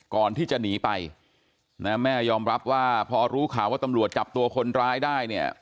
ก่อนที่จะหนีไปนะแม่ยอมรับว่าพอรู้ข่าวว่าตำรวจจับตัวคนร้ายได้เนี่ย